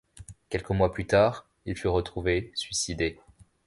Quelques mois plus tard, il fut retrouvé suicidé.